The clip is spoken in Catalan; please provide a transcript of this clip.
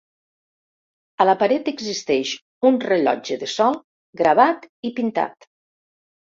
A la paret existeix un rellotge de sol gravat i pintat.